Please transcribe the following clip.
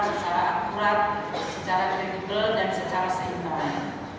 secara akurat secara kredibel dan secara seimbangan